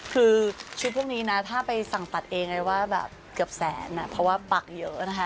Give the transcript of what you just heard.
คือชุดพวกนี้นะถ้าไปสั่งตัดเองเลยว่าแบบเกือบแสนเพราะว่าปักเยอะนะคะ